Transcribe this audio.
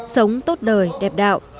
sống tốt đời đẹp đạo